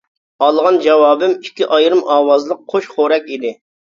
ئالغان جاۋابىم ئىككى ئايرىم ئاۋازلىق قوش خورەك ئىدى.